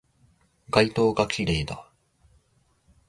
街灯が綺麗だ